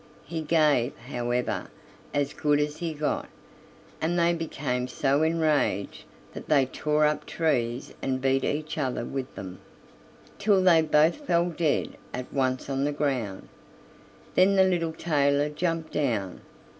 He gave, however, as good as he got, and they became so enraged that they tore up trees and beat each other with them, till they both fell dead at once on the ground. Then the little tailor jumped down.